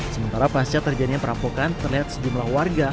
sementara pasca terjadinya perampokan terlihat sejumlah warga